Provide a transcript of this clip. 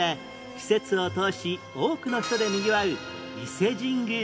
季節を通し多くの人でにぎわう伊勢神宮